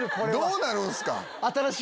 どうなるんすか？